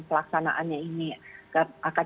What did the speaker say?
pelaksanaannya ini akan